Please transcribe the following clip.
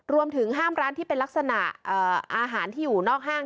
รวมถึงห้ามร้านที่เป็นลักษณะอาหารที่อยู่นอกห้าง